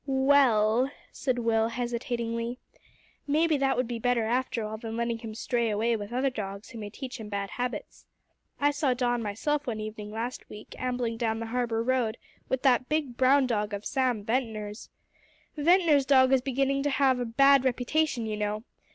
"Well," said Will, hesitatingly, "maybe that would be better after all than letting him stray away with other dogs who may teach him bad habits. I saw Don myself one evening last week ambling down the Harbour road with that big brown dog of Sam Ventnor's. Ventnor's dog is beginning to have a bad reputation, you know.